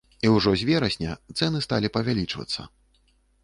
І ўжо з верасня цэны сталі павялічвацца.